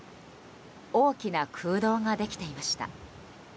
大きな空洞ができていました。